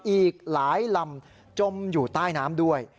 อีกหลายลำจมอยู่ใต้น้ำด้วย